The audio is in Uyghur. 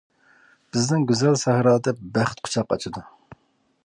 بىزنىڭ گۈزەل سەھرادا، بەخت قۇچاق ئاچىدۇ.